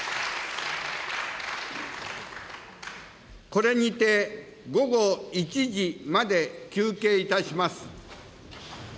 これにて午後１時まで休憩いたします。